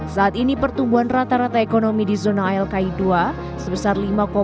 saat ini pertumbuhan rata rata ekonomi di zona alki dua sebesar lima empat